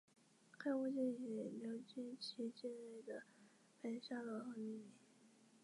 该巫金以流经其境内的白沙罗河命名。